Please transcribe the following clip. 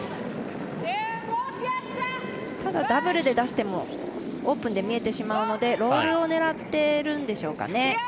ただ、ダブルで出してもオープンで見えてしまうのでロールを狙ってるんでしょうかね。